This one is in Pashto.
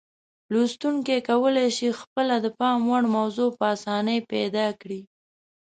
لوستونکي کولای شي خپله د پام وړ موضوع په اسانۍ پیدا کړي.